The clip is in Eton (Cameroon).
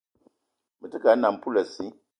Me te ke a nnam poulassi